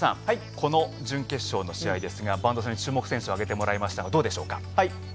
この準決勝の試合ですが注目選手を挙げてもらいましたがどうでしょうか？